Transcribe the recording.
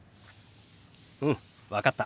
うん分かった。